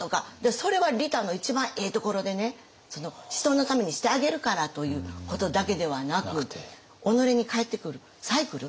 それは利他の一番ええところでね人のためにしてあげるからということだけではなく己に返ってくるサイクル。